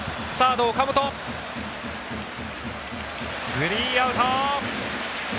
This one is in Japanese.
スリーアウト。